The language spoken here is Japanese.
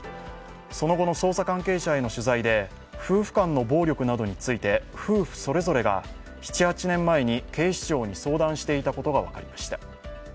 その後の捜査関係者への取材で、夫婦間の暴力などについて夫婦それぞれが７８年前に警視庁に相談していたことが分かりました。